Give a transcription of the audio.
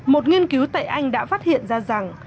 một nghiên cứu tại anh đã phát hiện ra rằng